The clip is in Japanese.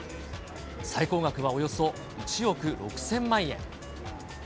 最高額はおよそ１億６０００万円。